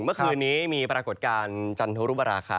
เมื่อคืนนี้มีปรากฏการณ์จันทรุปราคา